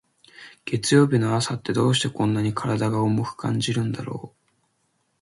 月曜日の朝って、どうしてこんなに体が重く感じるんだろう。